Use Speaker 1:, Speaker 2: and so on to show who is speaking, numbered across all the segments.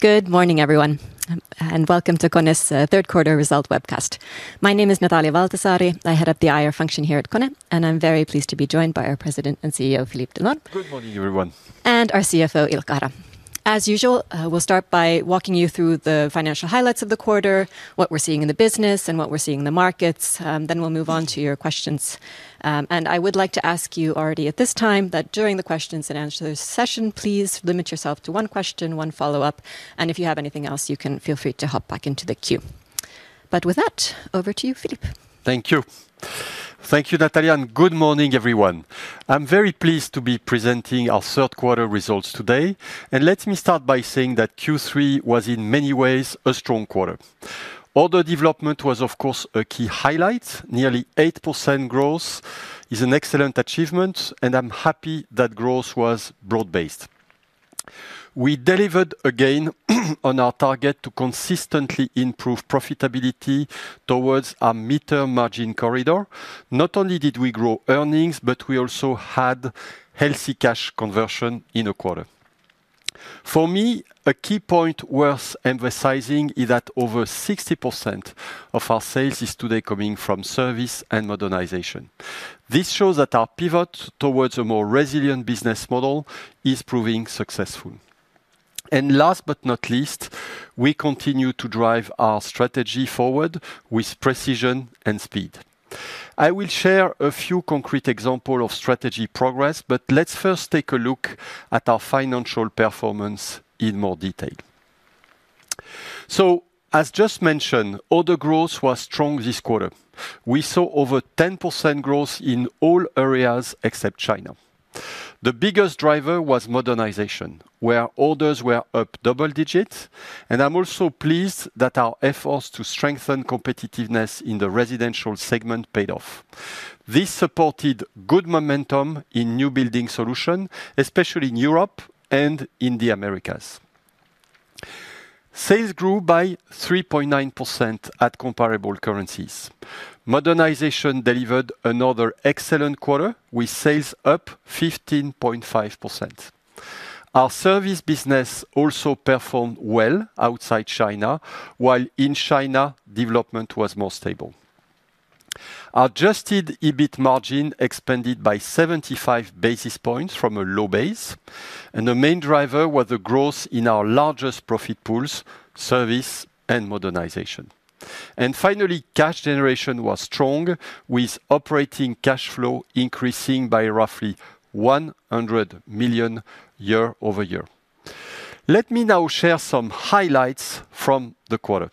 Speaker 1: Good morning everyone and welcome to KONE's third quarter result webcast. My name is Natalia Valtasaari. I head up the IR function here at KONE and I'm very pleased to be joined by our President and CEO, Philippe Delorme.
Speaker 2: Good morning everyone.
Speaker 1: Our CFO, Ilkka Hara. As usual, we'll start by walking you through the financial highlights of the quarter, what we're seeing in the business, and what we're seeing in the markets. We'll move on to your questions. I would like to ask you already at this time that during the questions-and-answers session, please limit yourself to one question, one follow-up, and if you have anything else, you can feel free to hop back into the queue. With that, over to you, Philippe.
Speaker 2: Thank you. Thank you, Natalia, and good morning everyone. I'm very pleased to be presenting our third quarter results today. Let me start by saying that Q3 was in many ways a strong quarter. Order development was of course a key highlight. Nearly 8% growth is an excellent achievement and I'm happy that growth was broad based. We delivered again on our target to consistently improve profitability towards a midterm margin corridor. Not only did we grow earnings, but we also had healthy cash conversion in a quarter. For me, a key point worth emphasizing is that over 60% of our sales is today coming from service and modernization. This shows that our pivot towards a more resilient business model is proving successful. Last but not least, we continue to drive our strategy forward with precision and speed. I will share a few concrete examples of strategy progress, but let's first take a look at our financial performance in more detail. As just mentioned, order growth was strong this quarter. We saw over 10% growth in all areas except China. The biggest driver was modernization, where orders were up double digits. I'm also pleased that our efforts to strengthen competitiveness in the residential segment paid off. This supported good momentum in new building solutions, especially in Europe and in the Americas. Sales grew by 3.9% at comparable currencies. Modernization delivered another excellent quarter with sales up 15.5%. Our service business also performed well outside China, while in China, development was more stable. Adjusted EBIT margin expanded by 75 basis points from a low base. The main driver was the growth in our largest profit pools, service and modernization. Finally, cash generation was strong with operating cash flow increasing by roughly 1,100 million year-over-year. Let me now share some highlights from the quarter.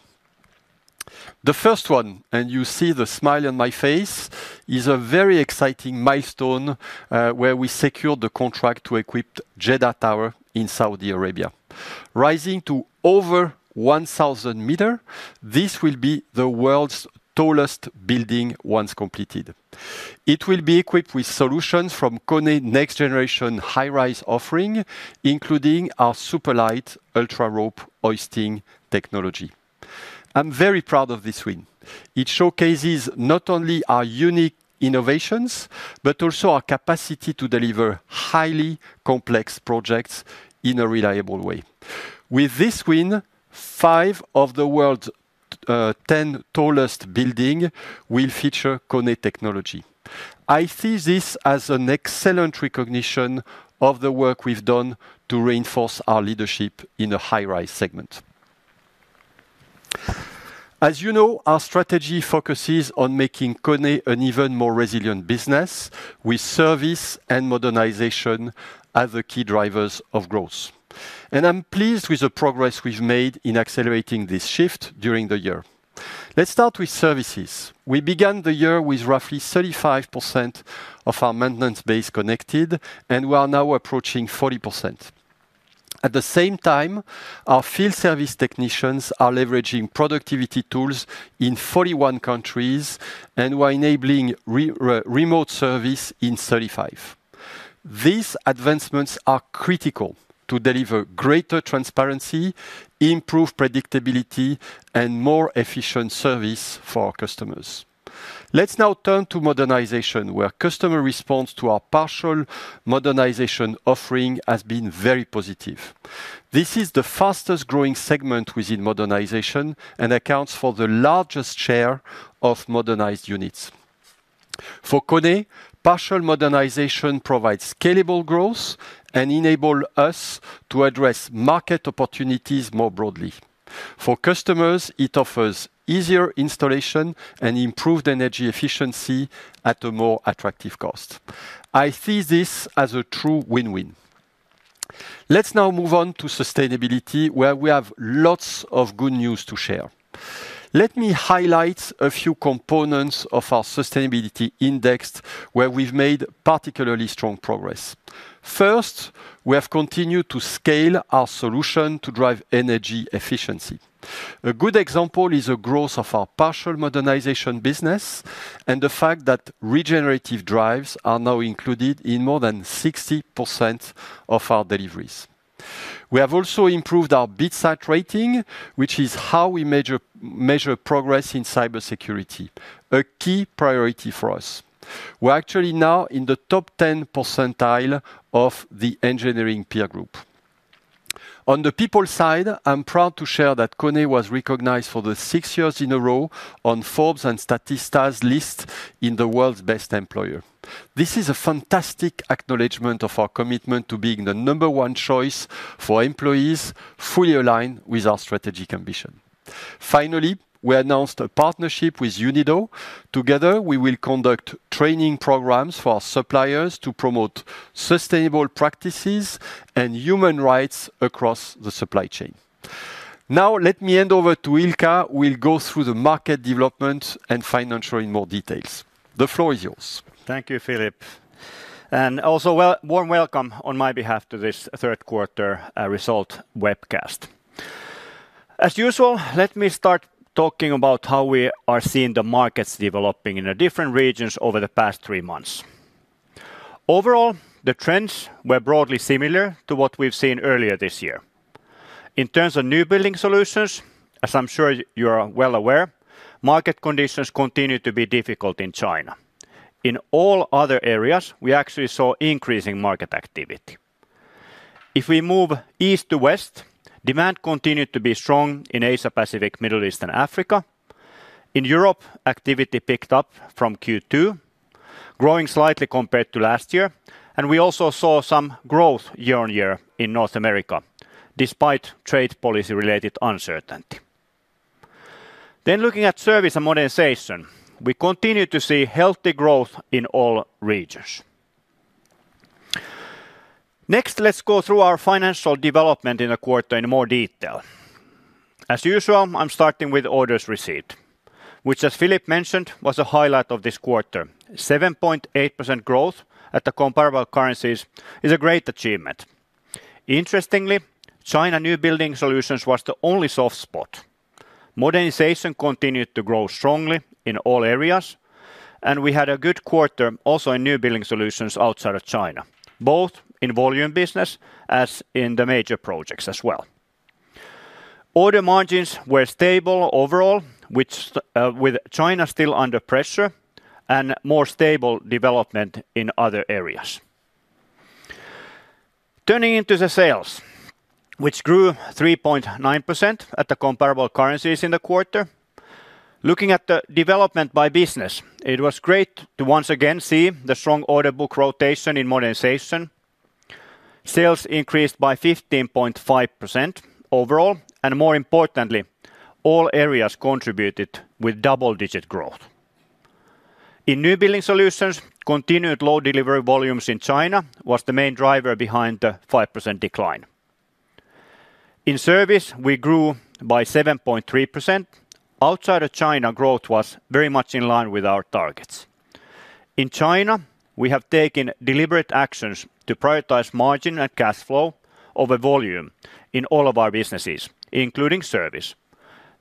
Speaker 2: The first one, and you see the smile on my face, is a very exciting milestone where we secured the contract to equip Jeddah Tower in Saudi Arabia. Rising to over 1,000 meters, this will be the world's tallest building. Once completed, it will be equipped with solutions from KONE next generation high rise offering including our super light UltraRope hoisting technology. I'm very proud of this win. It showcases not only our unique innovations, but also our capacity to deliver highly complex projects in a reliable way. With this win, five of the world's 10 tallest buildings will feature KONE technology. I see this as an excellent recognition of the work we've done to reinforce our leadership in a high-rise segment. As you know, our strategy focuses on making KONE an even more resilient business with service and modernization as the key drivers of growth. I'm pleased with the progress we've made in accelerating this shift during the year. Let's start with services. We began the year with roughly 35% of our maintenance base connected and we are now approaching 40%. At the same time, our field service technicians are leveraging productivity tools in 41 countries and we are enabling remote service in 35. These advancements are critical to deliver greater transparency, improve predictability, and more efficient service for our customers. Let's now turn to modernization where customer response to our partial modernization offering has been very positive. This is the fastest growing segment within modernization and accounts for the largest share of modernized units. For KONE, partial modernization provides scalable growth and enables us to address market opportunities more broadly for customers. It offers easier installation and improved energy efficiency at a more attractive cost. I see this as a true win-win. Let's now move on to sustainability where we have lots of good news to share. Let me highlight a few components of our sustainability index where we've made particularly strong progress. First, we have continued to scale our solution to drive energy efficiency. A good example is the growth of our partial modernization business and the fact that regenerative drives are now included in more than 60% of our deliveries. We have also improved our BITSAT rating, which is how we measure progress in cybersecurity, a key priority for us. We're actually now in the top 10% percentile of the engineering peer group. On the people side, I'm proud to share that KONE was recognized for the sixth year in a row on Forbes and Statista's list of the world's best employers. This is a fantastic acknowledgment of our commitment to being the number one choice for employees, fully aligned with our strategic ambition. Finally, we announced a partnership with UNIDO. Together we will conduct training programs for our suppliers to promote sustainable practices and human rights across the supply chain. Now let me hand over to Ilkka who will go through the market development and financials in more detail. The floor is yours.
Speaker 3: Thank you, Philipp, and also warm welcome on my behalf to this third quarter result webcast. As usual, let me start talking about how we are seeing the markets developing in different regions over the past three months. Overall, the trends were broadly similar to what we've seen earlier this year in terms of new building solutions. As I'm sure you are well aware, market conditions continue to be difficult in China. In all other areas, we actually saw increasing market activity. If we move east to west, demand continued to be strong in Asia-Pacific, Middle East, and Africa. In Europe, activity picked up from Q2, growing slightly compared to last year, and we also saw some growth year on year in North America despite trade policy related uncertainty. Looking at service and modernization, we continue to see healthy growth in all regions. Next, let's go through our financial development in the quarter in more detail. As usual, I'm starting with orders received, which as Philipp mentioned was a highlight of this quarter. 7.8% growth at the comparable currencies is a great achievement. Interestingly, China new building solutions was the only soft spot. Modernization continued to grow strongly in all areas, and we had a good quarter also in new building solutions outside of China, both in volume business and in the major projects as well. Order margins were stable overall, with China still under pressure and more stable development in other areas. Turning into the sales, which grew 3.9% at the comparable currencies in the quarter. Looking at the development by business, it was great to once again see the strong order book rotation in modernization. Sales increased by 15.5% overall, and more importantly, all areas contributed with double-digit growth in new building solutions. Continued low delivery volumes in China was the main driver behind the 5% decline in service. We grew by 7.3% outside of China. Growth was very much in line with our targets in China. We have taken deliberate actions to prioritize margin and cash flow over volume in all of our businesses, including service.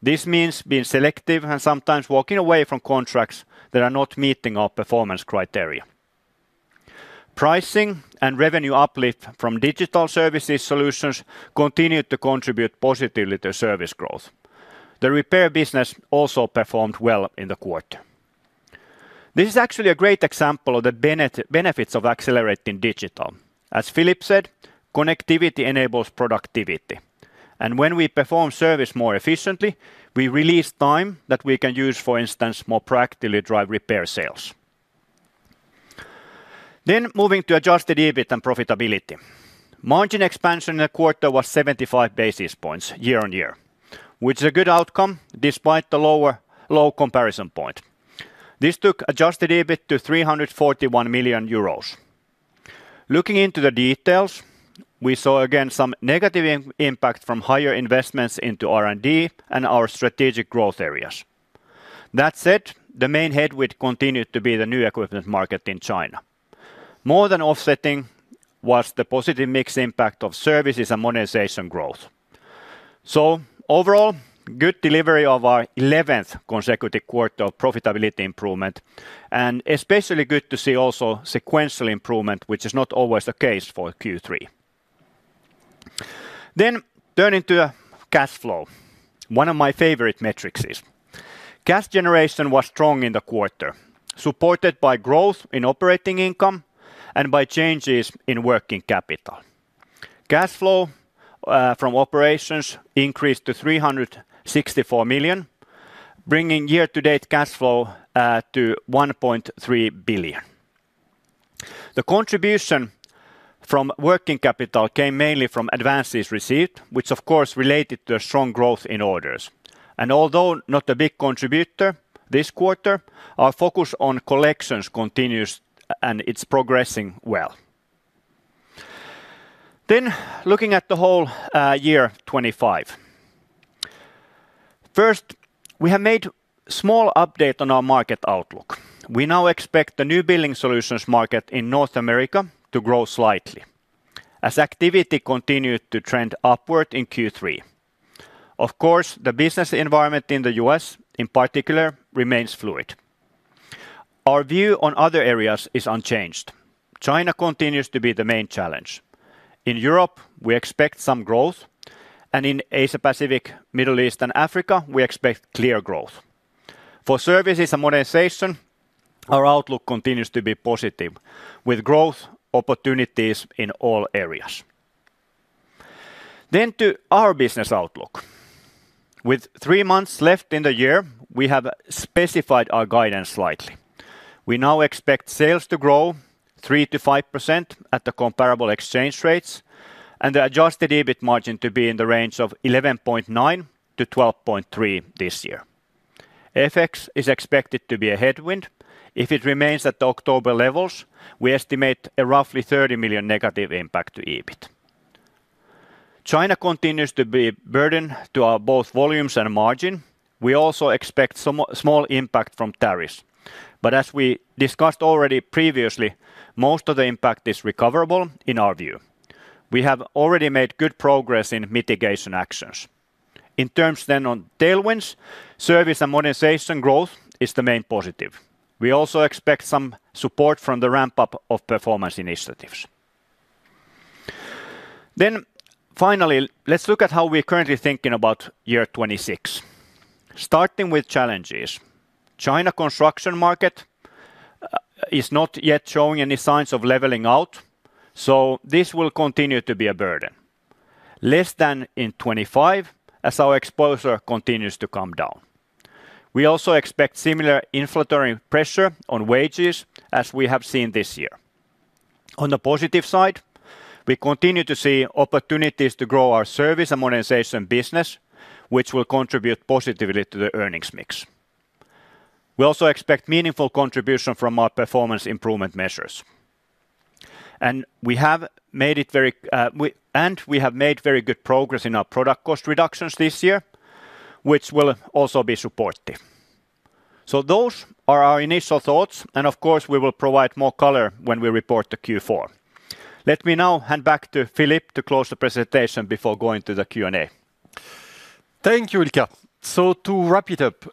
Speaker 3: This means being selective and sometimes walking away from contracts that are not meeting our performance criteria. Pricing and revenue uplift from digital services solutions continue to contribute positively to service growth. The repair business also performed well in the quarter. This is actually a great example of the benefits of accelerating digital. As Philippe said, connectivity enables productivity, and when we perform service more efficiently, we release time that we can use, for instance, more practically drive repair sales. Moving to adjusted EBIT and profitability margin expansion in the quarter, it was 75 basis points year on year, which is a good outcome despite the low comparison point. This took adjusted EBIT to 341 million euros. Looking into the details, we saw again some negative impact from higher investments into R&D and our strategic growth areas. That said, the main headwind continued to be the new equipment market in China. More than offsetting was the positive mix impact of services and modernization growth. Overall, good delivery of our 11th consecutive quarter of profitability improvement and especially good to see also sequential improvement, which is not always the case for Q3. Turning to cash flow, one of my favorite metrics, cash generation was strong in the quarter, supported by growth in operating income and by changes in working capital. Cash flow from operations increased to 364 million, bringing year-to-date cash flow to 1.3 billion. The contribution from working capital came mainly from advances received, which of course related to a strong growth in orders. Although not a big contributor this quarter, our focus on collections continues and it's progressing well. Looking at the whole year 2025, first we have made small updates on our market outlook. We now expect the New Building Solutions market in North America to grow slightly as activity continued to trend upward in Q3. Of course, the business environment in the U.S. in particular remains fluid. Our view on other areas is unchanged. China continues to be the main challenge. In Europe, we expect some growth, and in Asia-Pacific, Middle East, and Africa, we expect clear growth for services and modernization. Our outlook continues to be positive with growth opportunities in all areas. To our business outlook, with three months left in the year, we have specified our guidance slightly. We now expect sales to grow 3%-5% at the comparable exchange rates and the adjusted EBIT margin to be in the range of 11.9%-12.3%. This year, FX is expected to be a headwind. If it remains at the October levels, we estimate a roughly 30 million negative impact to EBITDA. China continues to be a burden to both volumes and margin. We also expect small impact from tariffs, but as we discussed already previously, most of the impact is recoverable. In our view, we have already made good progress in mitigation actions. In terms then on tailwinds, service and modernization growth is the main positive. We also expect some support from the ramp up of performance initiatives. Finally, let's look at how we are currently thinking about year 2026 starting with challenges. The China construction market is not yet showing any signs of leveling out, so this will continue to be a burden less than in 2025. As our exposure continues to come down, we also expect similar inflationary pressure on wages as we have seen this year. On the positive side, we continue to see opportunities to grow our service and modernization business, which will contribute positively to the earnings mix. We also expect meaningful contribution from our performance improvement measures, and we have made very good progress in our product cost reductions this year, which will also be supportive. Those are our initial thoughts, and of course we will provide more color when we report the Q4. Let me now hand back to Philippe to close the presentation before going to the Q&A.
Speaker 2: Thank you, Ilkka. To wrap it up,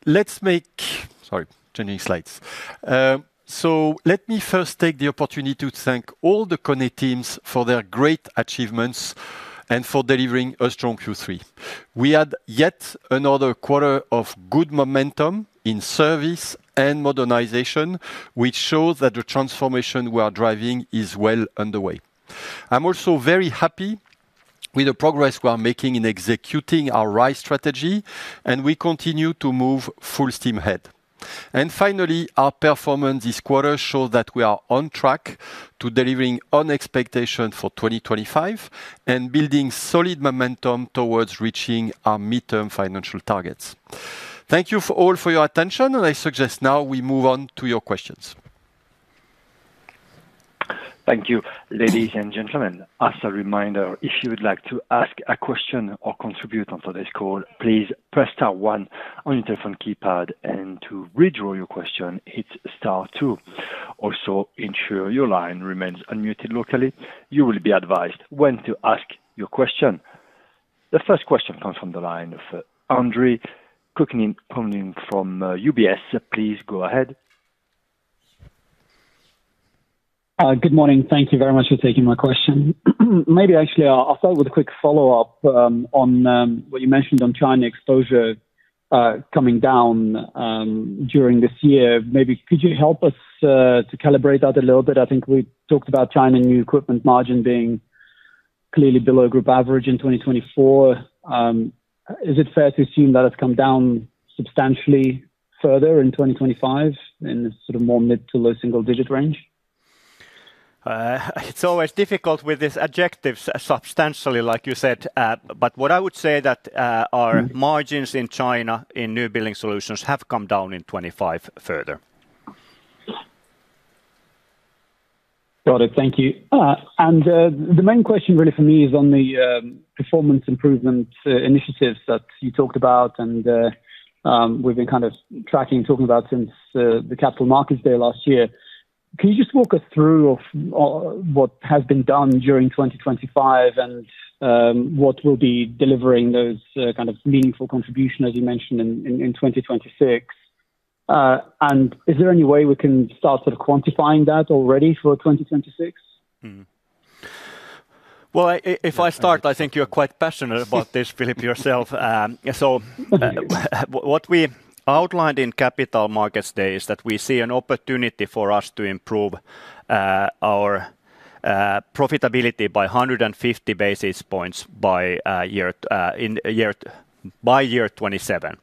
Speaker 2: let me first take the opportunity to thank all the KONE teams for their great achievements and for delivering a strong Q3. We had yet another quarter of good momentum in service and modernization, which shows that the transformation we are driving is well underway. I'm also very happy with the progress we are making in executing our rise strategy, and we continue to move full steam ahead. Finally, our performance this quarter shows that we are on track to delivering on expectations for 2025 and building solid momentum towards reaching our midterm financial targets. Thank you all for your attention. I suggest now we move on to your questions.
Speaker 4: Thank you, ladies and gentlemen. As a reminder, if you would like to ask a question or contribute on today's call, please press star one on your telephone keypad, and to withdraw your question, hit star two. Also, ensure your line remains unmuted locally. You will be advised when to ask your question. The first question comes from the line of Andre Kukhnin from UBS Investment Bank. Please go ahead.
Speaker 5: Good morning. Thank you very much for taking my question. Maybe actually I'll start with a quick follow-up on what you mentioned on China exposure coming down during this year. Maybe could you help us to calibrate that a little bit? I think we talked about China new equipment margin being clearly below group average in 2024. Is it fair to assume that it's come down substantially further in 2025 in sort of more mid to low single digit range?
Speaker 3: It's always difficult with these adjectives substantially like you said. What I would say is that our margins in China in New Building Solutions have come down in 2025 further.
Speaker 5: Got it. Thank you. The main question really for me is on the performance improvement initiatives that you talked about and we've been kind of tracking, talking about since the Capital Markets Day last year. Can you just walk us through what has been done during 2025 and what will be delivering those kind of meaningful contribution, as you mentioned, in 2026, and is there any way we can start quantifying that already for 2026?
Speaker 3: I think you're quite passionate about this, Philippe yourself. What we outlined in Capital Markets Day is that we see an opportunity for us to improve our profitability by 150 basis points by year 2027.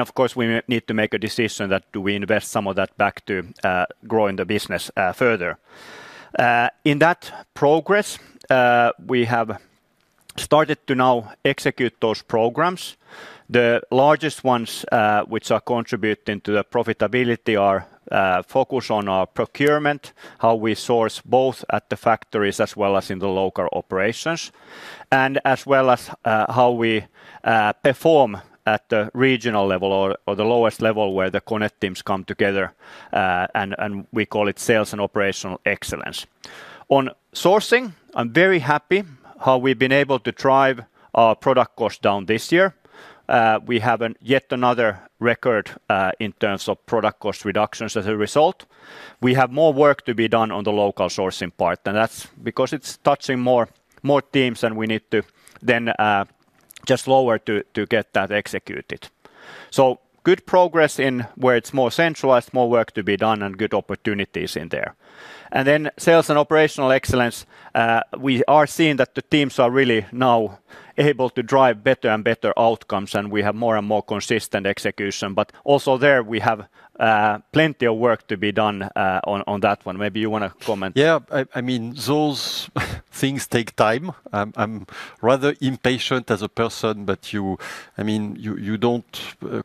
Speaker 3: Of course, we need to make a decision that do we invest some of that back to growing the business further. In that progress, we have started to now execute those programs. The largest ones which are contributing to the profitability are focus on our procurement, how we source both at the factories as well as in the local operations, and as well as how we perform at the regional level or the lowest level where the connect teams come together, and we call it sales and operational excellence. On sourcing, I'm very happy how we've been able to drive our product cost down this year. We have yet another record in terms of product cost reductions. As a result, we have more work to be done on the local sourcing part, and that's because it's touching more teams and we need to then just lower to get that executed. Good progress in where it's more centralized, more work to be done, and good opportunities in there. Sales and operational excellence, we are seeing that the teams are really now able to drive better and better outcomes, and we have more and more consistent execution. Also, there we have plenty of work to be done on that one. Maybe you want to comment.
Speaker 2: Yeah, I mean, those things take time. I'm rather impatient as a person, but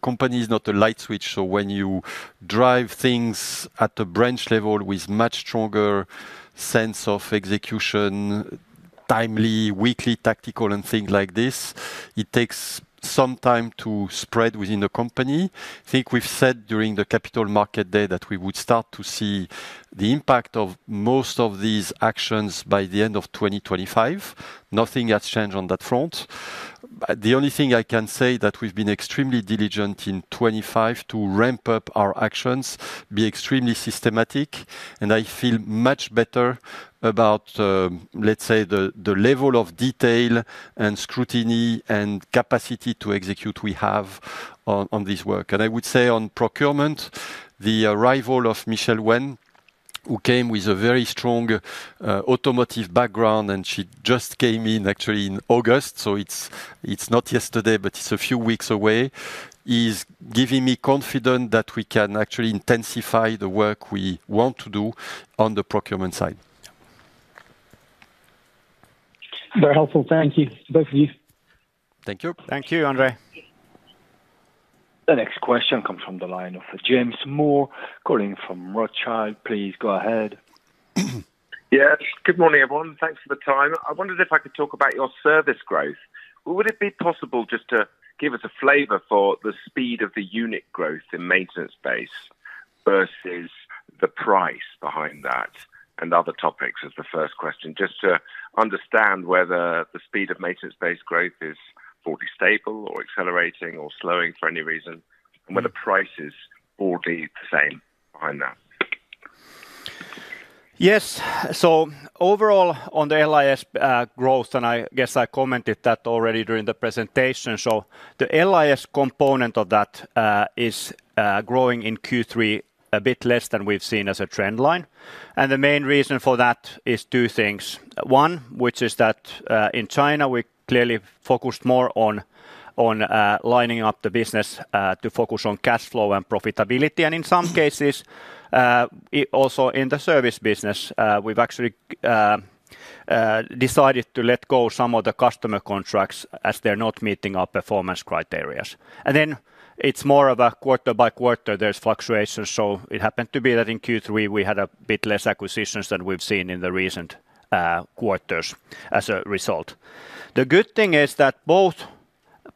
Speaker 2: company is not a light switch. When you drive things at the branch level with much stronger sense of execution, timely, weekly tactical and things like this, it takes some time to spread within the company. I think we've said during the Capital Market day that we would start to see the impact of most of these actions by the end of 2025. Nothing has changed on that. The only thing I can say is that we've been extremely diligent in 2025 to ramp up our actions, be extremely systematic. I feel much better about, let's say, the level of detail and scrutiny and capacity to execute we have on this work. I would say on procurement, the arrival of Michelle Wen, who came with a very strong automotive background, and she just came in actually in August, so it's not yesterday, but it's a few weeks away, is giving me confidence that we can actually intensify the work we want to do on the procurement side.
Speaker 5: Very helpful. Thank you, both of you.
Speaker 2: Thank you.
Speaker 3: Thank you, Andre.
Speaker 4: The next question comes from the line of James Moore calling from Rothschild. Please go ahead.
Speaker 6: Yes, good morning everyone. Thanks for the time. I wondered if I could talk about your service growth. Would it be possible just to give us a flavor for the speed of the unit growth in maintenance base versus the price behind that and other topics. Is the first question just to understand whether the speed of maintenance base growth is fully stable or accelerating or slowing for any reason and whether prices are all the same behind that?
Speaker 3: Yes. Overall on the LIS growth, I guess I commented that already during the presentation. The LIS component of that is growing in Q3 a bit less than we've seen as a trend line. The main reason for that is two things. One is that in China we clearly focused more on lining up the business to focus on cash flow and profitability. In some cases also in the service business we've actually decided to let go some of the customer contracts as they're not meeting our performance criteria. It's more of a quarter by quarter, there's fluctuations. It happened to be that in Q3 we had a bit less acquisitions than we've seen in the recent quarters. As a result, the good thing is that both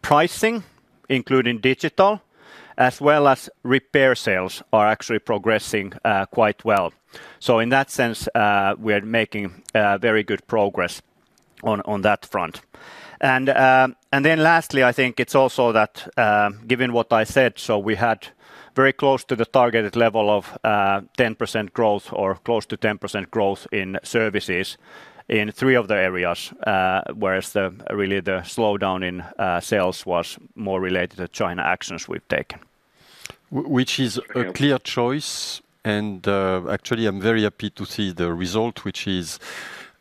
Speaker 3: pricing, including digital as well as repair sales, are actually progressing quite well. In that sense we are making very good progress on that front. Lastly, I think it's also that given what I said, we had very close to the targeted level of 10% growth or close to 10% growth in services in three of the areas. The slowdown in sales was more related to China actions we've.
Speaker 2: Taken, which is a clear choice. I'm very happy to see the result, which is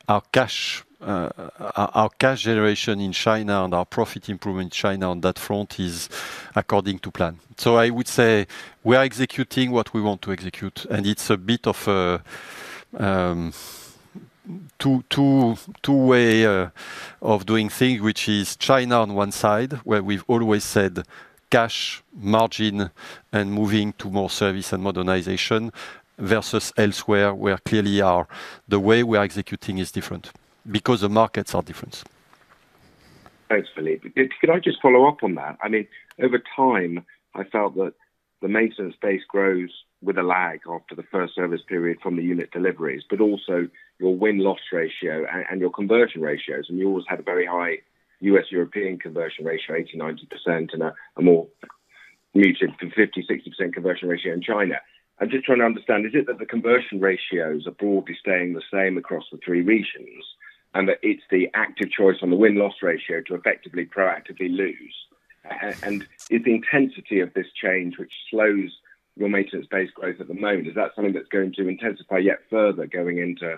Speaker 2: our cash, our cash generation in China and our profit improvement in China on that front is according to plan. I would say we are executing what we want to execute, and it's a bit of a two way of doing things, which is China on one side where we've always said cash margin and moving to more service and modernization versus elsewhere where clearly the way we are executing is different because the markets are different.
Speaker 6: Thanks, Philippe. Can I just follow up on that? I mean over time I felt that the maintenance base grows with a lag after the first service period from the unit deliveries. Also, your win loss ratio and your conversion ratios, and you always had a very high U.S. European conversion ratio, 80%/90%, and a more muted 50%/60% conversion ratio in China. I'm just trying to understand, is it that the conversion ratios are broadly staying the same across the three regions and that it's the active choice on the win loss ratio to effectively proactively lose? If the intensity of this change, which slows down your maintenance base growth at the moment, is that something that's going to intensify yet further going into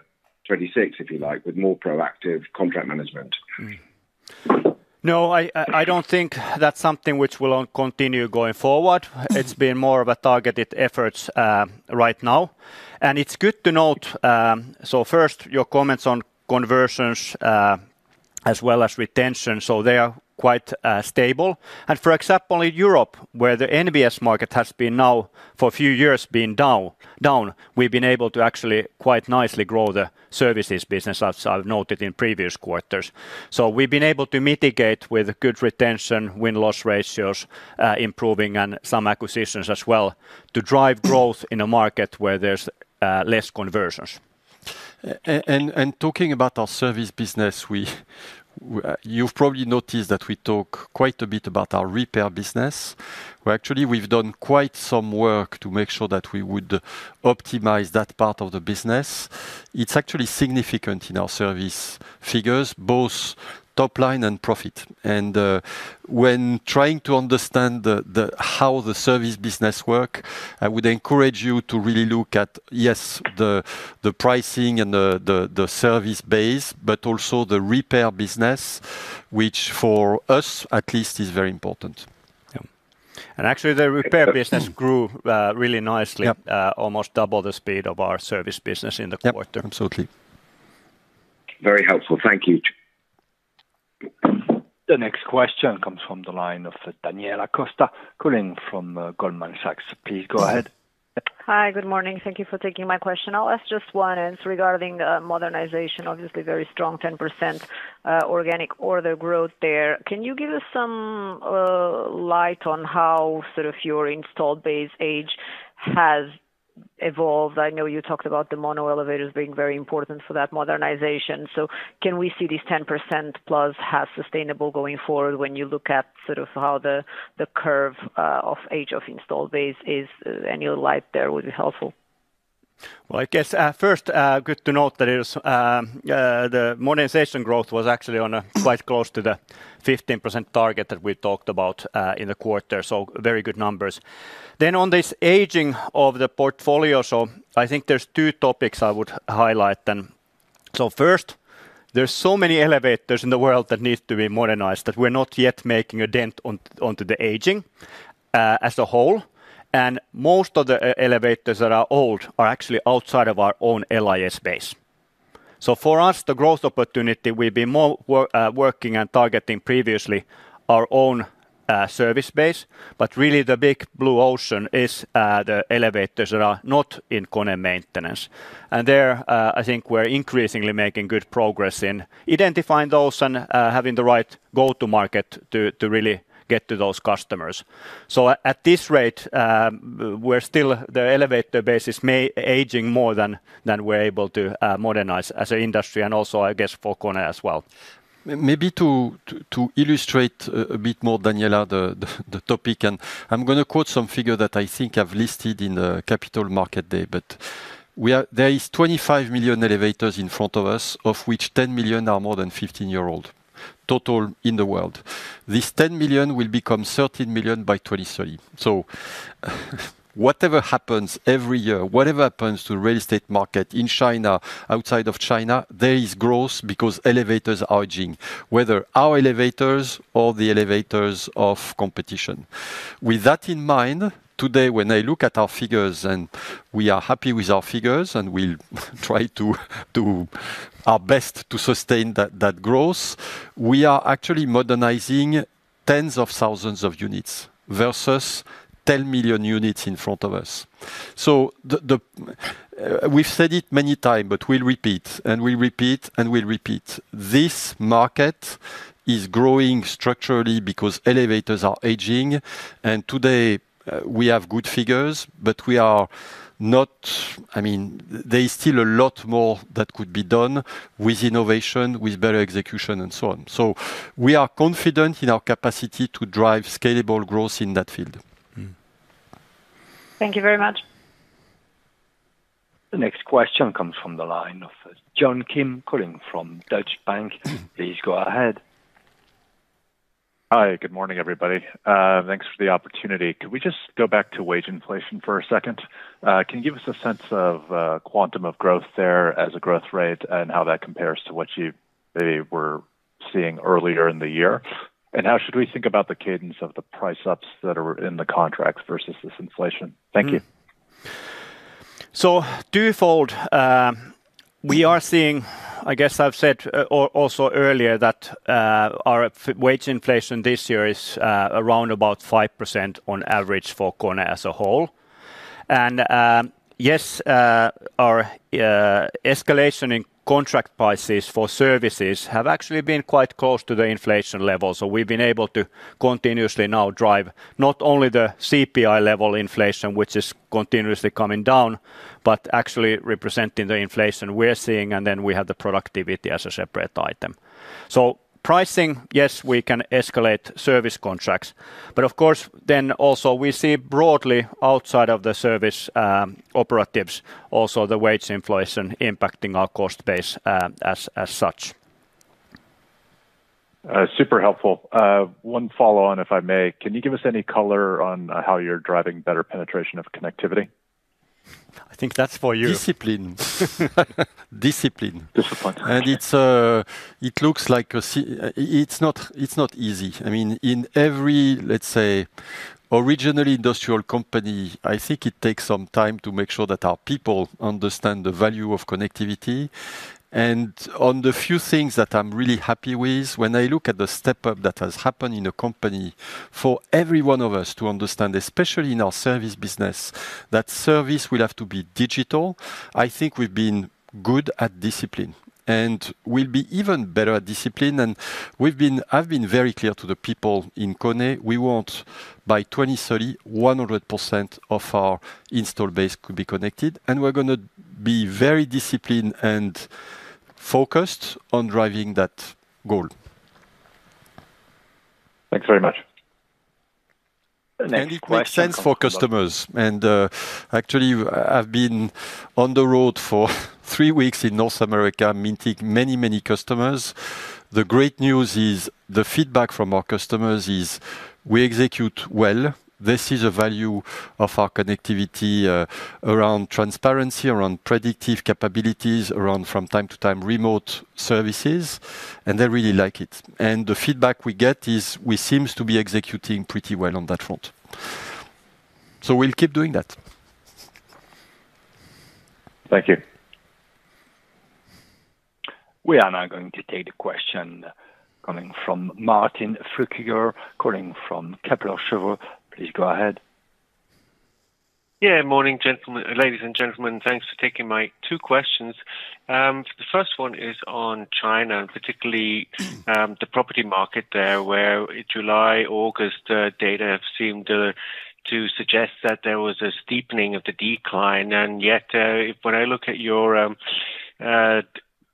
Speaker 6: 2026, if you like, with more proactive contract management?
Speaker 3: No, I don't think that's something which will continue going forward. It's been more of a targeted effort right now and it's good to note. First, your comments on conversions as well as retention. They are quite stable and for example in Europe where the NBS market has been now for a few years been down, we've been able to actually quite nicely grow the services business as I've noted in previous quarters. We've been able to mitigate with good retention, win-loss ratios improving, and some acquisitions as well to drive growth in a market where there's less conversions.
Speaker 2: Talking about our service business, you've probably noticed that we talk quite a bit about our repair business. Actually, we've done quite some work to make sure that we would optimize that part of the business. It's actually significant in our service figures, both top line and profit. When trying to understand how the service business works, I would encourage you to really look at, yes, the pricing and the service base, but also the repair business, which for us at least is very important.
Speaker 3: The repair business grew really nicely, almost double the speed of our service business in the quarter.
Speaker 6: Absolutely, very helpful, thank you.
Speaker 4: The next question comes from the line of Daniela Acosta calling from Goldman Sachs Group. Please go ahead.
Speaker 7: Hi, good morning. Thank you for taking my question. I'll ask just one answer regarding modernization. Obviously very strong 10% organic order growth there. Can you give us some light on how sort of your installed base age has evolved? I know you talked about the mono elevators being very important for that modernization. Can we see this 10%+ as sustainable going forward? When you look at sort of how the curve of age of installed base is, any light there would be helpful.
Speaker 3: First, good to note that the modernization growth was actually quite close to the 15% target that we talked about in the quarter. Very good numbers. On this aging of the portfolio, I think there's two topics I would highlight. First, there's so many elevators in the world that need to be modernized that we're not yet making a dent onto the aging as a whole. Most of the elevators that are old are actually outside of our own maintenance base. For us, the growth opportunity, we've been more working and targeting previously our own service base. Really, the big blue ocean is the elevators that are not in KONE maintenance. There, I think we're increasingly making good progress in identifying those and having the right go-to-market to really get to those customers. At this rate, the elevator base is aging more than we're able to modernize as an industry and also, I guess, for KONE as well.
Speaker 2: Maybe to illustrate a bit more, Daniela, the topic, and I'm going to quote some figures that I think I've listed in the Capital Market Day. There are 25 million elevators in front of us, of which 10 million are more than 15 years old, total in the world. This 10 million will become 13 million by 2030. Whatever happens every year, whatever happens to the real estate market in China or outside of China, there is growth because elevators are, whether our elevators or the elevators of competition. With that in mind, today when I look at our figures, and we are happy with our figures, and we try to do our best to sustain that growth, we are actually modernizing tens of thousands of units versus 10 million units in front of us. We've said it many times, but we'll repeat and we repeat and we'll repeat. This market is growing structurally because elevators are aging. Today we have good figures, but we are not. I mean, there is still a lot more that could be done with innovation, with better execution, and so on. We are confident in our capacity to drive scalable growth in that field.
Speaker 7: Thank you very much.
Speaker 4: The next question comes from the line of John Kim calling from Deutsche Bank. Please go ahead.
Speaker 8: Hi, good morning everybody. Thanks for the opportunity. Could we just go back to wage inflation for a second? Can you give us a sense of quantum of growth there as a growth rate, and how that compares to what you were seeing earlier in the year? How should we think about the cadence of the price ups that are in the contracts versus this inflation? Thank you.
Speaker 3: We are seeing, I guess I've said also earlier that our wage inflation this year is around about 5% on average for KONE as a whole. Yes, our escalation in contract prices for services has actually been quite close to the inflation level. We've been able to continuously now drive not only the CPI level inflation, which is continuously coming down, but actually representing the inflation we're seeing, and then we have the productivity as a separate item. Pricing, yes, we can escalate service contracts, but of course we also see broadly outside of the service operatives the wage inflation impacting our cost base as such.
Speaker 8: Follow on if I may. Can you give us any color on how you're driving better penetration of connectivity?
Speaker 3: I think that's for you.
Speaker 2: Discipline, discipline. It looks like it's not easy. I mean, in every, let's say, original industrial company, I think it takes some time to make sure that our people understand the value of connectivity. One of the few things that I'm really happy with when I look at the step up that has happened in a company is for every one of us to understand, especially in our service business, that service will have to be digital. I think we've been good at discipline and we'll be even better at discipline. I've been very clear to the people in KONE we want by 2030, 100% of our install base could be connected and we're going to be very disciplined and focused on driving that goal.
Speaker 8: Thanks very much.
Speaker 2: Any questions for customers? Actually, I've been on the road for three weeks in North America meeting many, many customers. The great news is the feedback from our customers is we execute well. This is a value of our connectivity around transparency, around predictive capabilities from time to time, remote services, and they really like it. The feedback we get is we seem to be executing pretty well on that front. We'll keep doing that.
Speaker 8: Thank you.
Speaker 4: We are now going to take the question coming from Martin Flueckiger calling from Kepler Cheuvreux. Please go ahead.
Speaker 9: Yeah. Ladies and gentlemen, thanks for taking my two questions. The first one is on China and particularly the property market there, where July-August data have seemed to suggest that there was a steepening of the decline. When I look at your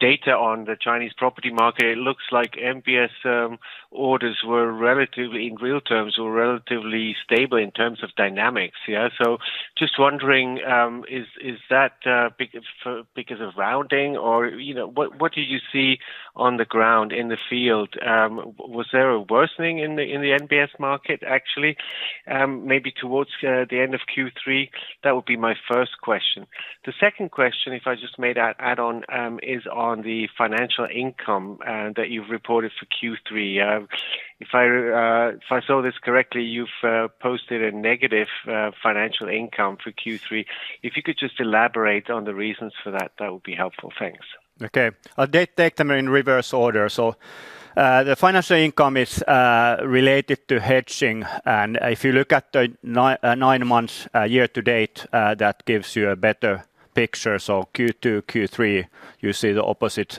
Speaker 9: data on the Chinese property market, it looks like NBS orders in real terms were relatively stable in terms of dynamics. Just wondering, is that because of rounding or what do you see on the ground in the field? Was there a worsening in the NBS market, maybe towards the end of Q3? That would be my first question. The second question, if I just may add on, is on the financial income that you've reported for Q3. If I saw this correctly, you've posted a negative financial income for Q3. If you could just elaborate on the reasons for that, that would be helpful, thanks.
Speaker 3: Okay, I'll take them in reverse order. The financial income is related to hedging. If you look at the nine months year to date, that gives you a better picture. In Q2 and Q3, you see the opposite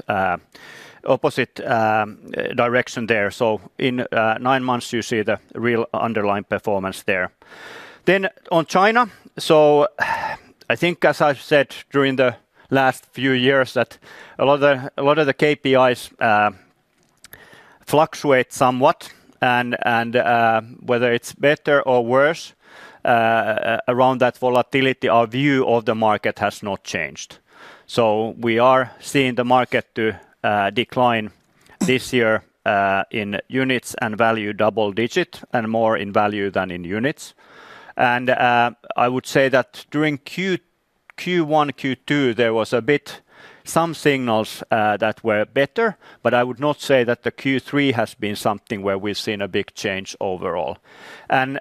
Speaker 3: direction there. In nine months, you see the real underlying performance. On China, as I've said during the last few years, a lot of the KPIs fluctuate somewhat, and whether it's better or worse around that volatility, our view of the market has not changed. We are seeing the market decline this year in units and value, double digit and more in value than in units. I would say that during Q1 and Q2, there were some signals that were better. I would not say that Q3 has been something where we've seen a big change overall.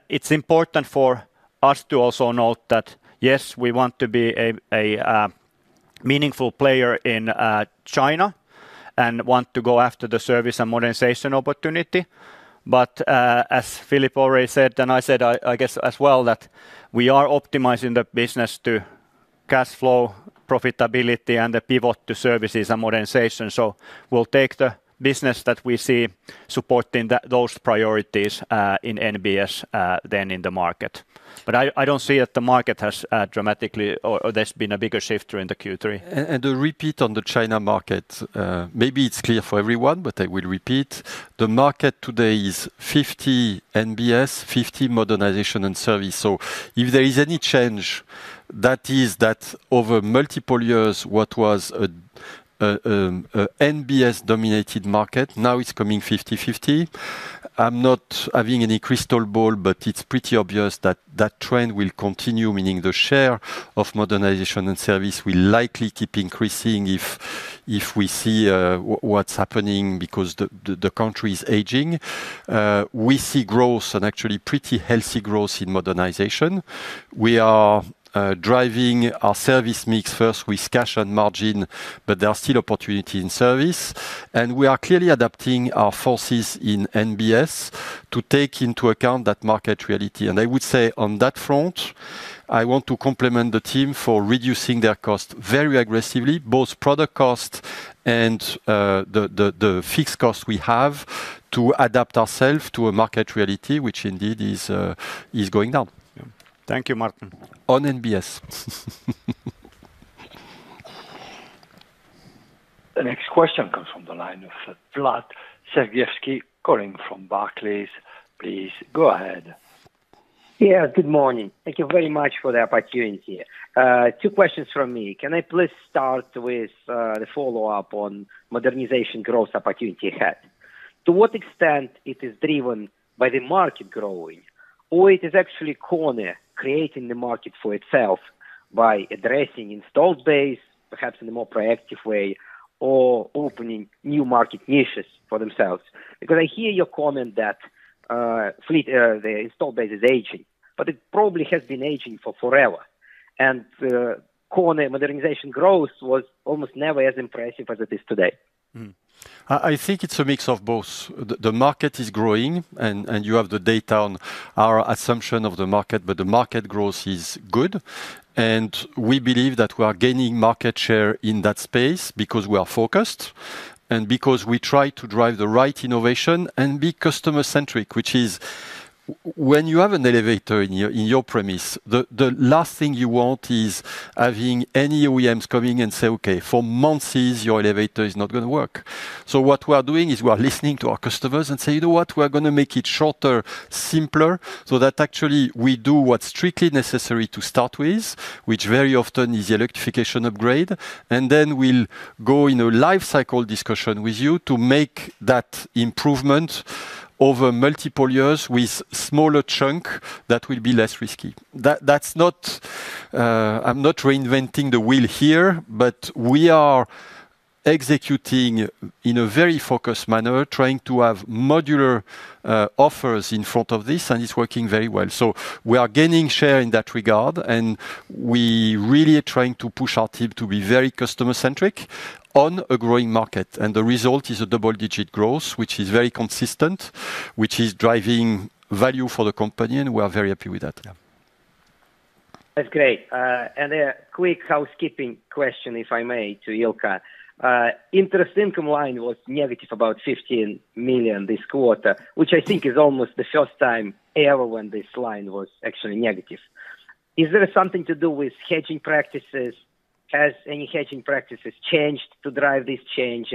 Speaker 3: It's important for us to also note that yes, we want to be a meaningful player in China and want to go after the service and modernization opportunity. As Philippe Delorme already said, and I said as well, we are optimizing the business to cash flow, profitability, and the pivot to services and modernization. We'll take the business that we see supporting those priorities in New Building Solutions in the market. I don't see that the market has dramatically or there's been a bigger shift during Q3.
Speaker 2: On the China market, maybe it's clear for everyone, but I will repeat, the market today is 50% New Building Solutions, 50% modernization and service. If there is any change, that is that over multiple years what was a New Building Solutions dominated market, now it's coming 50/50. I'm not having any crystal ball, but it's pretty obvious that trend will continue, meaning the share of modernization and service will likely keep increasing. If we see what's happening because the country is aging, we see growth and actually pretty healthy growth in modernization. We are driving our service mix first with cash and margin. There are still opportunities in service and we are clearly adapting our forces in New Building Solutions to take into account that market reality. I would say on that front, I want to compliment the team for reducing their cost very aggressively, both product cost and the fixed cost. We have to adapt ourselves to a market reality which indeed is going down.
Speaker 3: Thank you, Martin.
Speaker 2: On nbs.
Speaker 4: The next question comes from the line of Vladimir Sergievskiy calling from Barclays. Please go ahead.
Speaker 10: Yes, good morning. Thank you very much for the opportunity. Two questions from me. Can I please start with the follow up on modernization growth opportunity ahead? To what extent it is driven by the market growing or it is actually KONE creating the market for itself by addressing installed base perhaps in a more proactive way or opening new market niches for themselves. I hear your comment that fleet, the installed base is aging, but it probably has been aging forever. KONE modernization growth was almost never as impressive as it is today.
Speaker 2: I think it's a mix of both. The market is growing and you have the data on our assumption of the market. The market growth is good and we believe that we are gaining market share in that space because we are focused and because we try to drive the right innovation and be customer centric. When you have an elevator in your premise, the last thing you want is having any OEMs coming and say, okay, for months is your elevator not going to work? We are listening to our customers and say, you know what, we are going to make it shorter, simpler so that actually we do what's strictly necessary to start with, which very often is the electrification upgrade, and then we'll go in a lifecycle discussion with you to make that improvement over multiple years with smaller chunk that will be less risky. I'm not reinventing the wheel here, but we are executing in a very focused manner, trying to have modular offers in front of this and it's working very well. We are gaining share in that regard and we really trying to push our team to be very customer centric on a growing market and the result is a double digit growth which is very consistent, which is driving value for the company and we are very happy with that.
Speaker 10: That's great. Quick housekeeping question if I may. To Ilkka, interest income line was negative about 15 million this quarter, which I think is almost the first time ever when this line was actually negative. Is there something to do with hedging practices? Has any hedging practices changed to drive this change?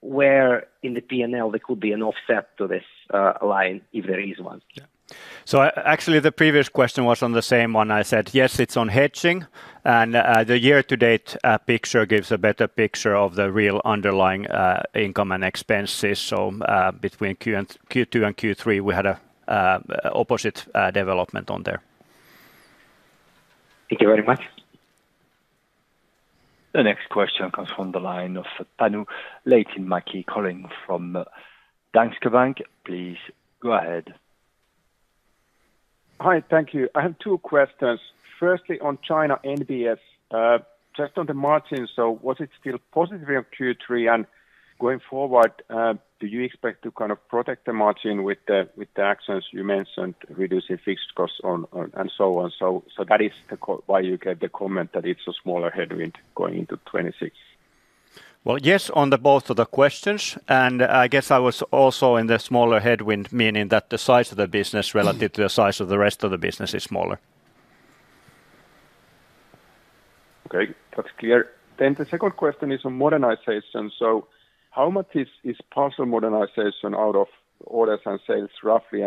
Speaker 10: Where in the P&L there could be an offset to this line if there is one.
Speaker 3: The previous question was on the same one. I said, yes, it's on hedging and the year to date picture gives a better picture of the real underlying income and expenses. Between Q2 and Q3 we had an opposite development on there.
Speaker 10: Thank you very much.
Speaker 4: The next question comes from the line of Panu Lehtimäki calling from Danske Bank. Please go ahead.
Speaker 11: Hi, thank you. I have two questions. Firstly on China, just on the margin. Was it still positive in Q3, and going forward, do you expect to kind of protect the margin with the actions you mentioned, reducing fixed costs and so on? That is why you get the comment that it's a smaller headwind going into 2026.
Speaker 3: Yes, on both of the questions, I guess I was also in the smaller headwind, meaning that the size of the business relative to the size of the rest of the business is smaller.
Speaker 11: Okay, that's clear. The second question is on modernization. How much is partial modernization out of orders and sales, roughly?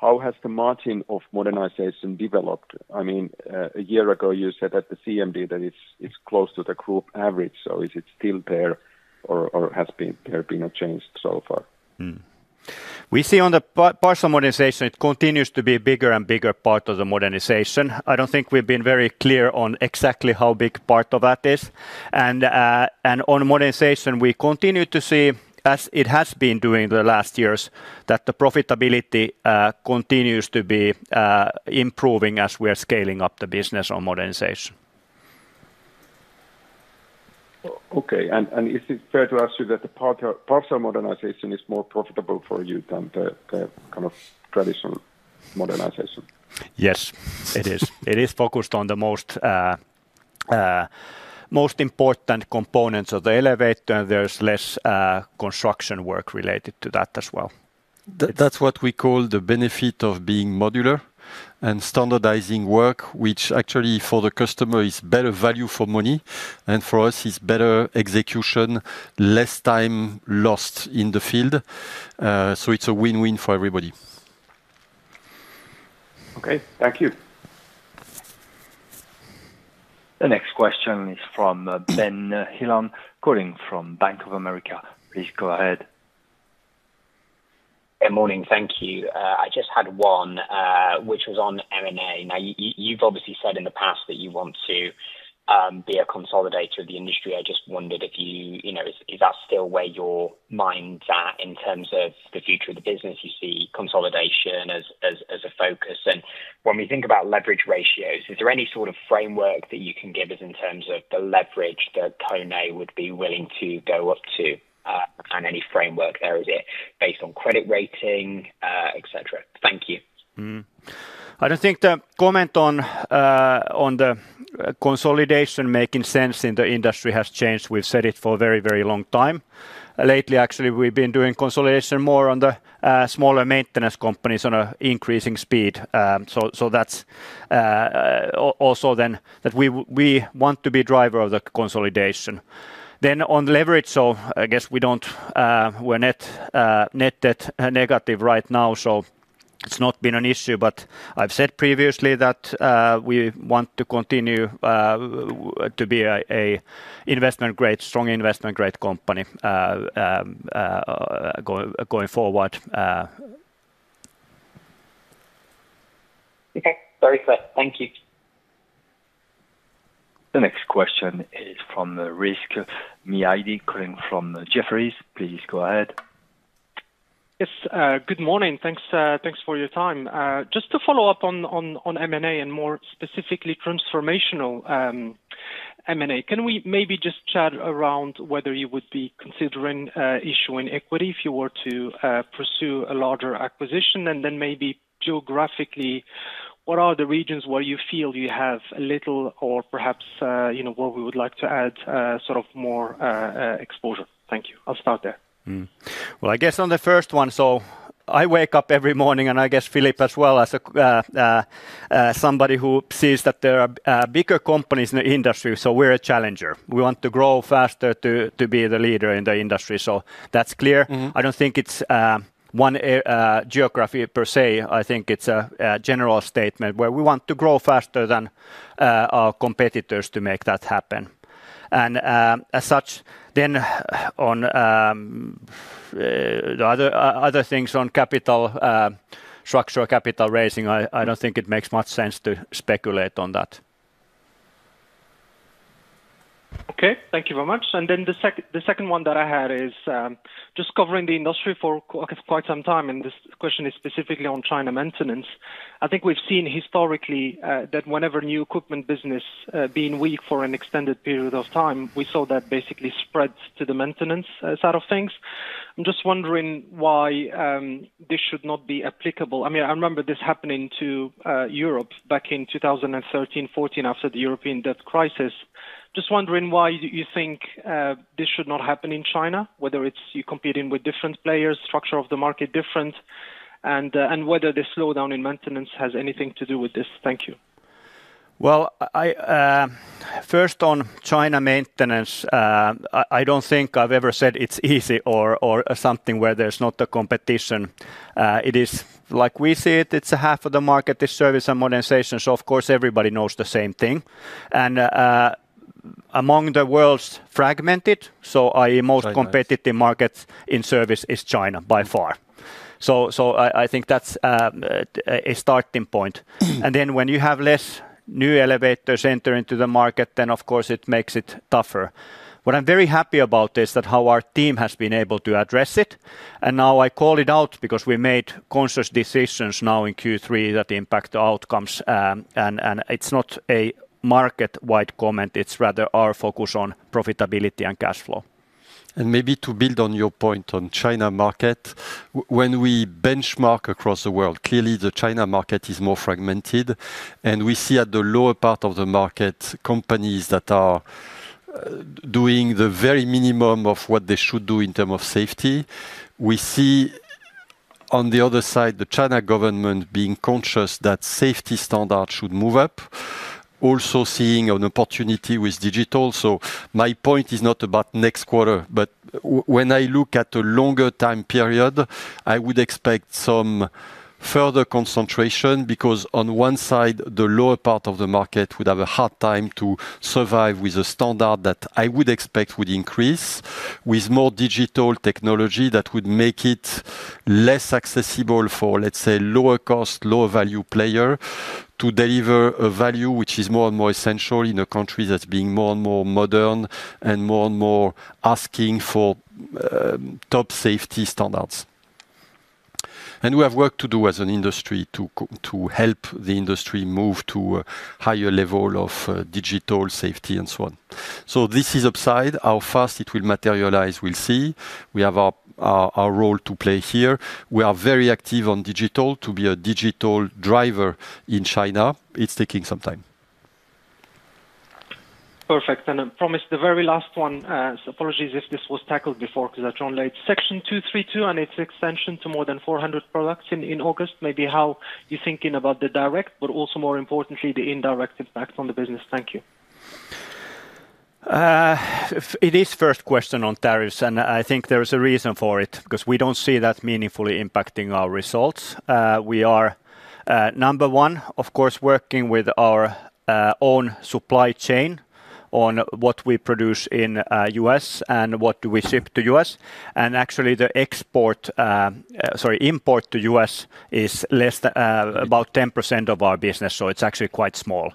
Speaker 11: How has the margin of modernization developed? A year ago you said at the CMD that it's close to the group average. Is it still there or has it been changed so far we see on.
Speaker 3: The partial modernization continues to be a bigger and bigger part of the modernization. I don't think we've been very clear on exactly how big part of that is. On modernization we continue to see, as it has been during the last years, that the profitability continues to be improving as we are scaling up the business on modernization.
Speaker 11: Okay, is it fair to ask you that the partial modernization is more profitable for you than the kind of traditional modernization?
Speaker 3: Yes, it is. It is focused on the most important components of the elevator. There's less construction work related to that as well.
Speaker 2: That's what we call the benefit of being modular and standardizing work, which actually for the customer is better value for money, and for us is better execution, less time lost in the field. It is a win win for everybody.
Speaker 11: Okay, thank you.
Speaker 4: The next question is from Ben Heelan calling from BofA Securities. Please go ahead. Good morning.
Speaker 12: Thank you. I just had one which was on M&A. Now you've obviously said in the past that you want to be a consolidator of the industry. I just wondered if you, you know, is that still where your mind is at in terms of the future of the business, you see consolidation as a focus, and when we think about leverage ratios, is there any sort of framework that you can give us in terms of the leverage that KONE would be willing to go up to and any framework there, is it based on credit rating, etc. Thank you.
Speaker 3: I don't think the comment on the consolidation making sense in the industry has changed. We've said it for a very, very long time. Lately, actually, we've been doing consolidation more on the smaller maintenance companies at an increasing speed. That's also then that we want to be a driver of the consolidation on leverage. I guess we don't. We're net debt negative right now. It's not been an issue. I've said previously that we want to continue to be an investment grade, strong investment grade company going forward.
Speaker 12: Okay, very good, thank you.
Speaker 4: The next question is from Rizk Maidi calling from Jefferies. Please go ahead.
Speaker 13: Yes, good morning. Thanks for your time. Just to follow up on M&A and more specifically transformational M&A, can we maybe just chat around whether you would be considering issuing equity if you were to pursue a larger acquisition, and then maybe geographically, what are the regions where you feel you have a little or perhaps you know where you would like to add sort of more exposure. Thank you. I'll start there.
Speaker 3: I guess on the first one, I wake up every morning and I guess Philippe as well as somebody who sees that there are bigger companies in the industry. We're a challenger, we want to grow faster to be the leader in the industry. That's clear. I don't think it's one geography per se. I think it's a general statement where we want to grow faster than our competitors to make that happen. On other things, on capital, structural capital raising, I don't think it makes much sense to speculate on that.
Speaker 13: Okay, thank you very much. The second one that I had is just covering the industry for quite some time and this question is specifically on China maintenance. I think we've seen historically that whenever new equipment business being weak for an extended period of time, we saw that basically spread to the maintenance side of things. I'm just wondering why this should not be applicable. I mean I remember this happening to Europe back in 2013-2014 after the European debt crisis. Just wondering why you think this should not happen in China. Whether it's you competing with different players, structure of the market different, and whether the slowdown in maintenance has anything to do with this. Thank you.
Speaker 3: On China maintenance, I don't think I've ever said it's easy or something where there's not the competition. It is like we see it, half of the market is service and modernization. Of course, everybody knows the same thing. Among the world's fragmented, the most competitive market in service is China by far. I think that's a starting point. When you have less new elevators enter into the market, it makes it tougher. What I'm very happy about is how our team has been able to address it and now I call it out because we made conscious decisions in Q3 that impact outcomes. It's not a market-wide comment. It's rather our focus on profitability and cash flow.
Speaker 2: Maybe to build on your point on the China market. When we benchmark across the world, clearly the China market is more fragmented and we see at the lower part of the market companies that are doing the very minimum of what they should do in terms of safety. We see on the other side the China government being conscious that safety standards should move up, also seeing an opportunity with digital. My point is not about next quarter, but when I look at a longer time period, I would expect some further concentration because on one side the lower part of the market would have a hard time to survive with a standard that I would expect would increase with more digital technology that would make it less accessible for, let's say, lower cost, lower value player to deliver a value which is more and more essential in a country that is being more and more modern and more and more asking for top safety standards. We have work to do as an industry to help the industry move to a higher level of digital safety and so on. This is upside. How fast it will materialize, we'll see. We have our role to play here. We are very active on digital. To be a digital driver in China, it's taking some time.
Speaker 13: Perfect. Promised the very last one. Apologies if this was tackled before because I joined Section 232 and its extension to more than 400 products in August. Maybe how you're thinking about the direct but also more importantly the indirect impact on the business. Thank you.
Speaker 3: It is first question on tariffs and I think there is a reason for it because we don't see that meaningfully impacting our results. We are number one of course working with our own supply chain on what we produce in the U.S. and what do we ship to the U.S., and actually the import to the U.S. is less than about 10% of our business. It's actually quite small.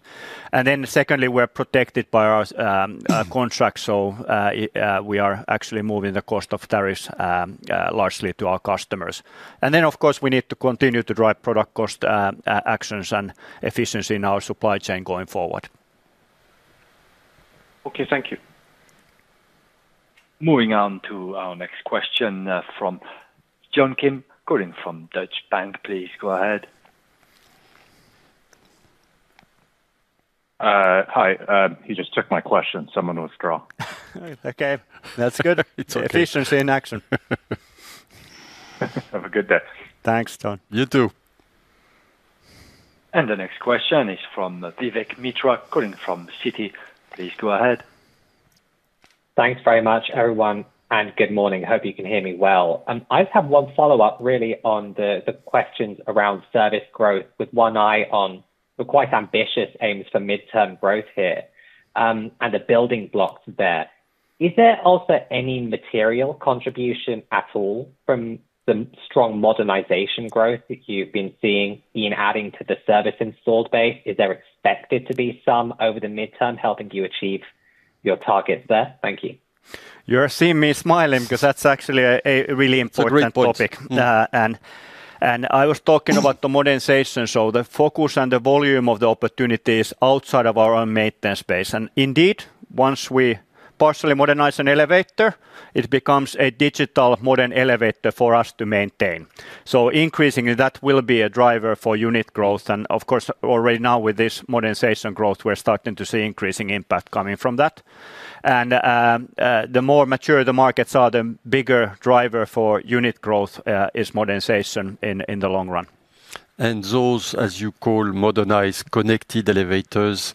Speaker 3: Secondly, we're protected by our contract. We are actually moving the cost of tariffs largely to our customers. Of course, we need to continue to drive product cost actions and efficiency in our supply chain going forward.
Speaker 13: Okay, thank you.
Speaker 4: Moving on to our next question from Jung Kim Gorin from Deutsche Bank. Please go ahead.
Speaker 14: Hi. He just took my question. Someone withdraw.
Speaker 3: Okay, that's good. Efficiency in action.
Speaker 14: Have a good day.
Speaker 2: Thanks, Ton. You too.
Speaker 4: The next question is from Vivek Midha calling from Citi. Please go ahead.
Speaker 15: Thanks very much everyone and good morning. Hope you can hear me well. I just have one follow-up really on the questions around service growth with one eye on the quite ambitious aims for midterm growth here and the building blocks there. Is there also any material contribution at all from the strong modernization growth that you've been seeing in adding to the service installed base? Is there expected to be some over the midterm helping you achieve your targets there? Thank you.
Speaker 3: You're seeing me smiling because that's actually a really important topic. I was talking about the modernization, the focus, and the volume of the opportunities outside of our own maintenance space. Indeed, once we partially modernize an elevator, it becomes a digital modern elevator for us to maintain. Increasingly, that will be a driver for unit growth. Already now with this modernization growth, we're starting to see increasing impact coming from that. The more mature the markets are, the bigger driver for unit growth is modernization in the long run.
Speaker 2: As you call modernized connected elevators,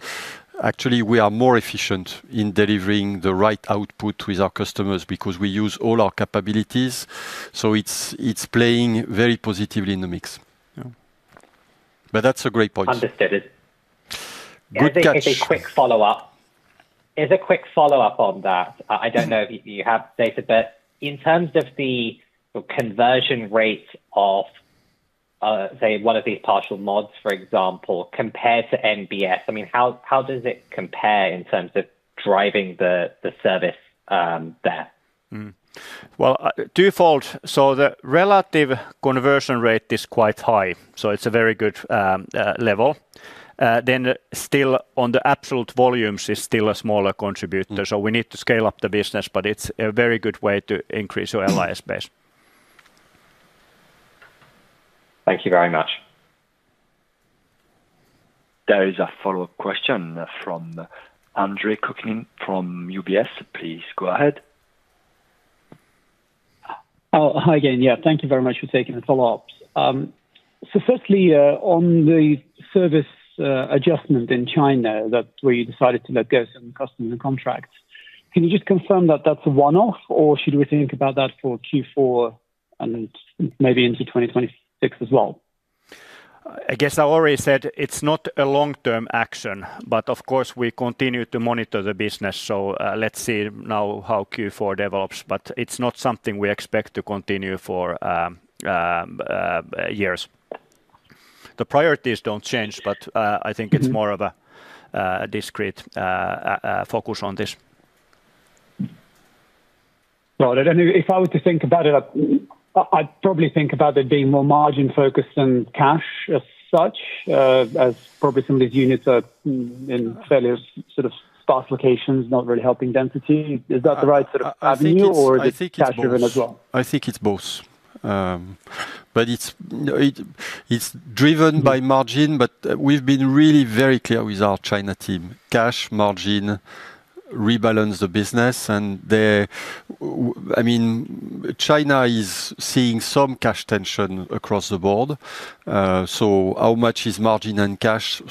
Speaker 2: actually we are more efficient in delivering the right output with our customers because we use all our capabilities. It is playing very positively in the mix. That's a great point.
Speaker 15: Understood. A quick follow up on that. I don't know if you have data, but in terms of the conversion rate of, say, one of these partial modernizations, for example, compared to New Building Solutions, how does it compare in terms of driving the service there?
Speaker 3: The relative conversion rate is quite high, so it's a very good level. On the absolute volumes, it is still a smaller contributor, so we need to scale up the business. It's a very good way to increase your maintenance base.
Speaker 15: Thank you very much.
Speaker 4: There is a follow-up question from Andre Kukhnin from UBS Investment Bank. Please go ahead.
Speaker 5: Hi again. Thank you very much for taking the follow up. Firstly, on the service adjustment in China, where you decided to let go some customer contracts, can you just confirm that that's a one off, or should we think about that for Q4 and maybe into 2020?
Speaker 3: I guess I already said it's not a long-term action, but of course we continue to monitor the business. Let's see now how Q4 develops. It's not something we expect to continue for years. The priorities don't change, but I think it's more of a discrete focus on this.
Speaker 5: If I were to think about it, I'd probably think about that being more margin focused than cash as such, as probably some of these units are in fairly sort of sparse locations. Not really helping density. Is that the right sort of... Avenue or as well?
Speaker 2: I think it's both, but it's driven by margin. We've been really very clear with our China team, cash margin rebalance the business, and I mean China is seeing some cash tension across the board. How much is margin and cash?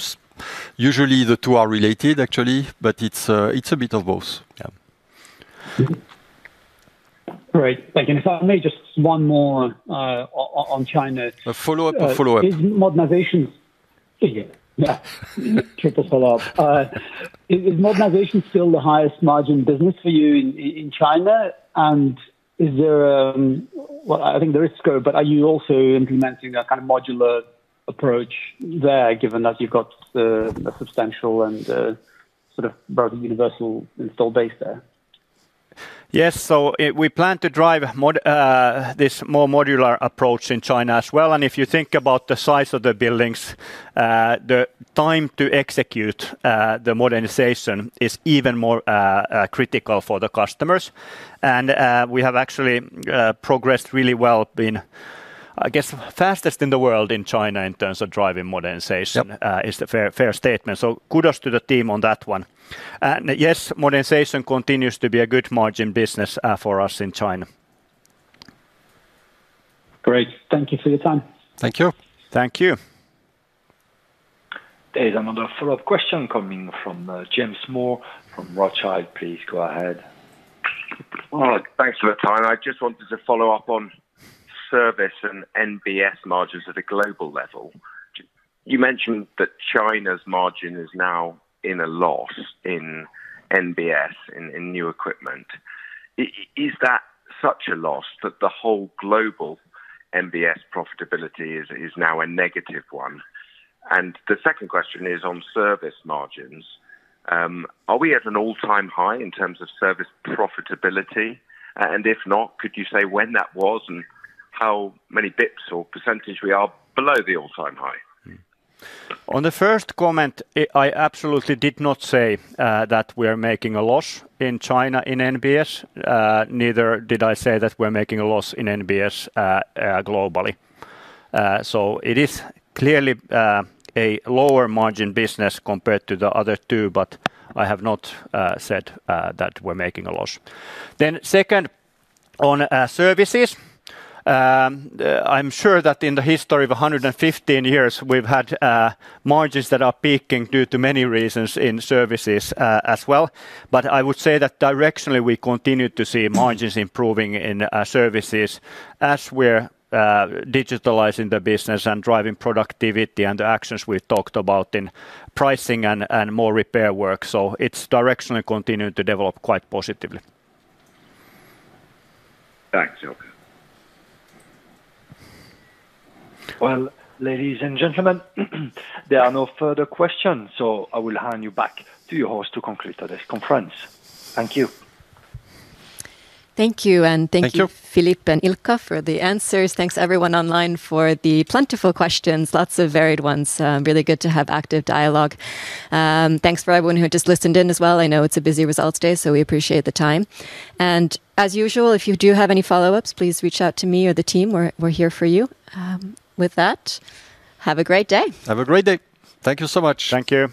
Speaker 2: Usually the two are related actually, but it's a bit of both. Right.
Speaker 5: Just one more on China, a follow up innovations, triple follow up. Is modernization still the highest margin business for you in China, and is there? I think there is scope, but are you also implementing a kind of modular approach there, given that you've got a substantial and sort of universal installed base there?
Speaker 3: Yes. We plan to drive this more modular approach in China as well. If you think about the size of the buildings, the time to execute the modernization is even more critical for the customers, and we have actually progressed really well, been, I guess, fastest in the world in China in terms of driving modernization, which is a fair statement. Kudos to the team on that one. Yes, modernization continues to be a good margin business for us in China.
Speaker 5: Great. Thank you for your time.
Speaker 2: Thank you.
Speaker 3: Thank you.
Speaker 4: There's another follow-up question coming from James Moore from Rothschild. Please go ahead.
Speaker 6: Thanks for the time. I just wanted to follow up on service and NBS margins at a global level. You mentioned that China's margin is now in a loss in NBS in new equipment. Is that such a loss that the whole global NBS profitability is now a negative one? The second question is on service margins. Are we at an all-time high in terms of service profitability, and if not, could you say when that was and how many basis points or percentage we are below the all-time high?
Speaker 3: On the first comment, I absolutely did not say that we are making a loss in China in NBS. Neither did I say that we're making a loss in NBS globally. It is clearly a lower margin business compared to the other two, but I have not said that we're making a loss then. On services, I'm sure that in the history of 115 years we've had margins that are peaking due to many reasons in services as well. I would say that directionally we continue to see margins improving in services as we're digitalizing the business and driving productivity and the actions we talked about in pricing and more repair work. It's directionally continuing to develop quite positively.
Speaker 6: Thanks, Ilkka.
Speaker 4: Ladies and gentlemen, there are no further questions, so I will hand you back to your host to conclude today's conference. Thank you.
Speaker 1: Thank you. Thank you, Philippe and Ilkka, for the answers. Thanks everyone online for the plentiful questions. Lots of varied ones. Really good to have active dialogue. Thanks to everyone who just listened in as well. I know it's a busy results day, so we appreciate the time. As usual, if you do have any follow-ups, please reach out to me or the team. We're here for you with that. Have a great day.
Speaker 2: Have a great day. Thank you so much.
Speaker 3: Thank you.